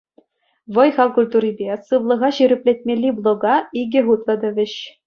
Вӑй-хал культурипе сывлӑха ҫирӗплетмелли блока икӗ хутлӑ тӑвӗҫ.